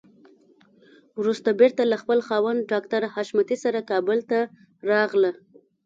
وروسته بېرته له خپل خاوند ډاکټر حشمتي سره کابل ته راغله.